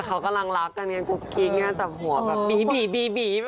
เขากำลังรักกันกันกดคลิกง่าจับหัวก็บีบไป